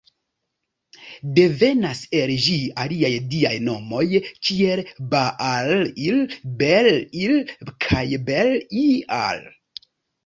Devenas el ĝi aliaj diaj nomoj kiel "Baal-il", "Bel-il", kaj "Bel-ial".